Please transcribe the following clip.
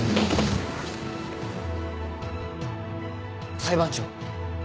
裁判長。